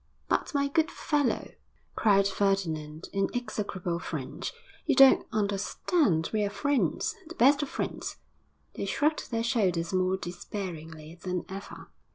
'But, my good fellow,' cried Ferdinand, in execrable French, 'you don't understand. We are friends, the best of friends.' They shrugged their shoulders more despairingly than ever.